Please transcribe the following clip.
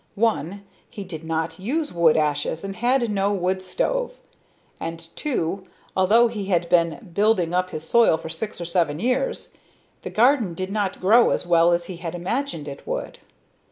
One, he did not use wood ashes and had no wood stove and two, although he had been "building up his soil for six or seven years," the garden did not grow as well as he had imagined it would.